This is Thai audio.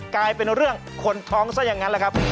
กลายเป็นเรื่องคนท้องซะอย่างนั้นแหละครับ